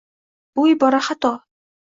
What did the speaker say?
Shu ibora xato